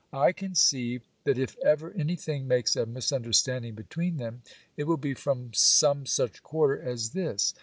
I conceive, that if ever anything makes a misunderstanding between them, it will be from some such quarter as this.